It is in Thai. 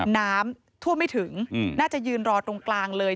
น้ำท่วมไม่ถึงน่าจะยืนรอตรงกลางเลย